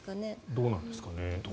どうなんですかね。